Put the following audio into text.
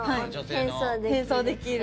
変装できる。